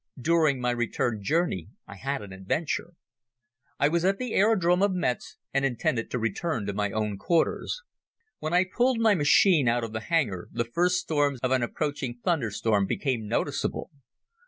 During my return journey I had an adventure. I was at the aerodrome of Metz and intended to return to my own quarters. When I pulled my machine out of the hangar the first signs of an approaching thunderstorm became noticeable.